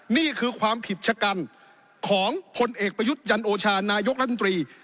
นี่คือความผิดชะกันของพลเอกประยุทธ์จันโอชานายกรัฐมนตรี